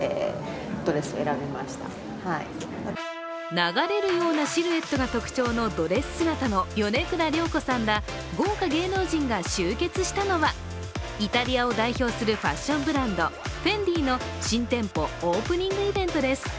流れるようなシルエットが特徴のドレス姿の米倉涼子さんら豪華芸能人が集結したのはイタリアを代表するファッションブランドフェンディの新店舗オープニングイベントです。